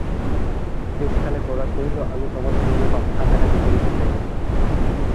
শেষকালে গোরা কহিল, আমি তোমার সঙ্গে কথা-কাটাকাটি করতে চাই নে।